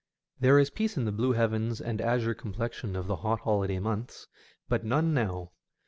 There is peace in the blue heavens and azure complexion of the hot holiday months, but none now.